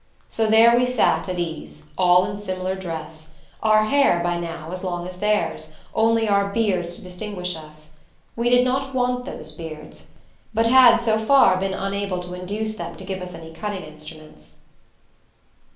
So there we sat, at ease; all in similar dress; our hair, by now, as long as theirs, only our beards to distinguish us. We did not want those beards, but had so far been unable to induce them to give us any cutting instruments.